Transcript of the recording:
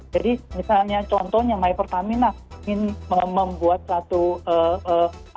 jadi misalnya contohnya my pertamina ingin membuat satu aplikasi